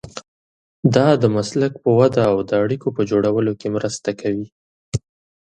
دا د مسلک په وده او د اړیکو په جوړولو کې مرسته کوي.